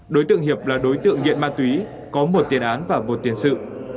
đối tượng hiệp là đối tượng nghiện ma túy có một tiền án và một tiền sự